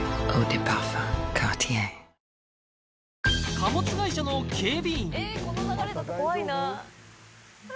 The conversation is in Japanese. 貨物会社の警備員男性は